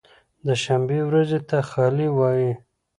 د شنبې ورځې ته خالي وایی